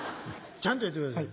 ちゃんとやってください